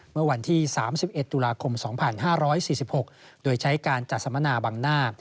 เมื่อวันที่๓๑ตุลาคม๒๕๔๖โดยใช้การจัดสัมมนาบังหน้า